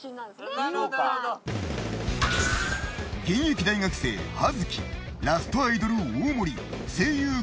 現役大学生葉月ラストアイドル大森声優